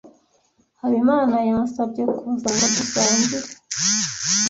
Habimana yansabye kuza ngo dusangire.